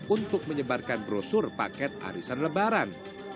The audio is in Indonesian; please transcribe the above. untuk menyebarkan brosur paket arisan lebaran